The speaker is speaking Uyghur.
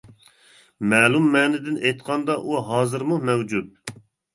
مەلۇم مەنىدىن ئېيتقاندا ئۇ ھازىرمۇ مەۋجۇت.